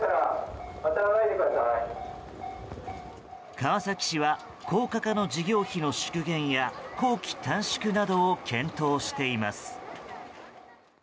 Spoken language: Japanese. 川崎市は高架化の事業費の縮減や工期短縮などを検討しています。